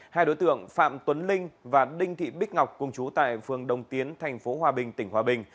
hai đối tượng phạm tuấn linh và đinh thị bích ngọc cùng chú tại phường đồng tiến thành phố hòa bình tỉnh hòa bình